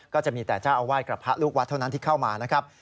ก็จะมีแต่เจ้าอาวาสกับพระลูกวัดเท่านั้นที่เข้ามานะครับ